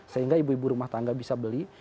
sehingga ibu ibu rumah tangga bisa beli